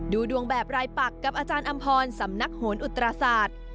ดูดวงแบบรายปักกับอาจารย์อำพรสำนักโหนอุตราศาสตร์